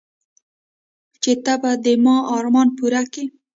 چې ته به د ما ارمان پوره كيې.